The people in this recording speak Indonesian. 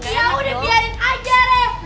ya udah biarin aja deh